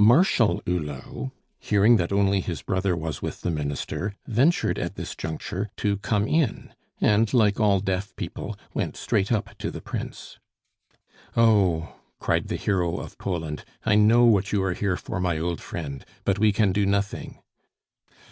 Marshal Hulot, hearing that only his brother was with the Minister, ventured at this juncture to come in, and, like all deaf people, went straight up to the Prince. "Oh," cried the hero of Poland, "I know what you are here for, my old friend! But we can do nothing."